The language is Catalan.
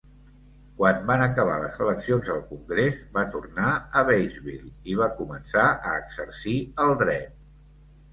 Quan van acabar les eleccions al congrés, va tornar a Batesville i va començar a exercir el dret.